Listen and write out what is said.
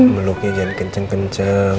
muluknya jangan kenceng kenceng